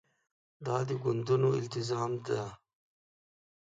دا د ګوندونو التزام ده.